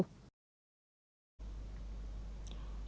truyền thông mỹ